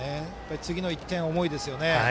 次の１点重いですよね。